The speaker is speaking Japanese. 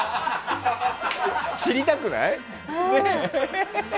知りたくない？